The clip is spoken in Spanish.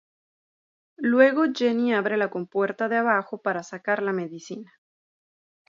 Luego Jenny abre la compuerta de abajo para sacar la medicina.